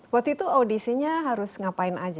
waktu itu audisinya harus ngapain aja